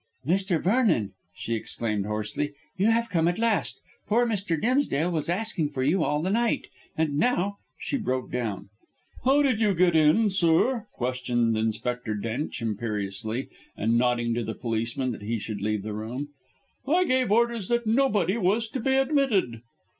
"Mr. Vernon," she exclaimed hoarsely, "you have come at last. Poor Mr. Dimsdale was asking for you all the night. And now " she broke down. "How did you get in, sir?" questioned Inspector Drench imperiously, and nodding to the policeman that he should leave the room. "I gave orders that nobody was to be admitted."